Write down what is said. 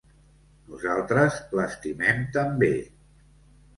Nosaltres l’estimem també.